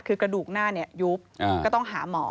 คือกระดูกหน้ายุบก็ต้องหาหมอ